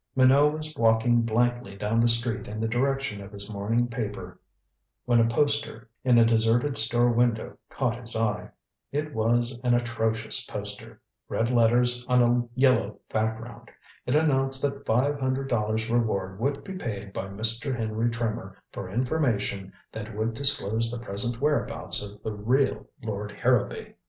Minot was walking blankly down the street in the direction of his morning paper when a poster in a deserted store window caught his eye. It was an atrocious poster red letters on a yellow background. It announced that five hundred dollars reward would be paid by Mr. Henry Trimmer for information that would disclose the present whereabouts of the real Lord Harrowby.